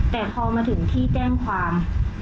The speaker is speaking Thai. แต่พอมาถึงที่แจ้งความ